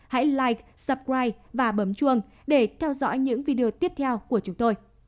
hãy like subscribe và bấm chuông để theo dõi những video tiếp theo của chúng tôi